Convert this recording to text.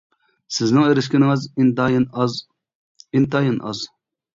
سىزنىڭ ئېرىشكىنىڭىز ئىنتايىن ئاز، ئىنتايىن ئاز.